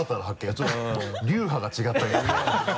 ちょっと流派が違ったけど。